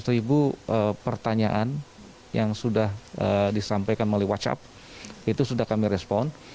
satu ratus ribu pertanyaan yang sudah disampaikan melalui whatsapp itu sudah kami respon